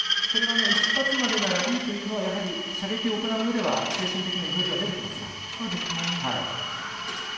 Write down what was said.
それは１発までならいいというのはやはり、射撃を行ううえでは精神的なゆとりは出てきますね。